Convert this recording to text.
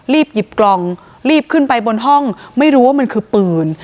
หยิบกล่องรีบขึ้นไปบนห้องไม่รู้ว่ามันคือปืน